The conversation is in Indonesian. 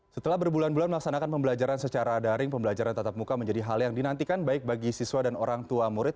setelah berbulan bulan melaksanakan pembelajaran secara daring pembelajaran tatap muka menjadi hal yang dinantikan baik bagi siswa dan orang tua murid